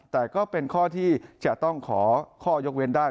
แต่ก็เป็นข้อที่จะต้องขอข้อยกเว้นได้